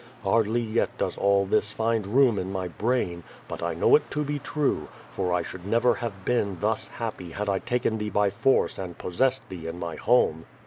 Hardly yet does all this find room in my brain, but I know it to be true, for I 288 <?t/0 VADIfS. should never have been thus happy had I taken thee by force and possessed thee in my home.